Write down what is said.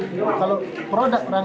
kita perang lain dan bertipu andung